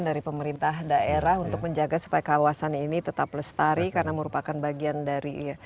dari pemerintah daerah untuk menjaga supaya kawasan ini tetap lestari karena merupakan bagian dari